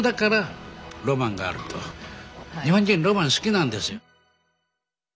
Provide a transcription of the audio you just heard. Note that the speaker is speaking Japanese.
日本人ロマン好きなんですよ。